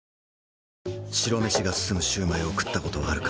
白飯が進むシュウマイを食ったことはあるか？